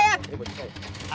ini baju saya